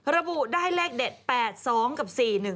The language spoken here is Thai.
ระบุได้เลขเด็ด๘๒กับ๔๑๒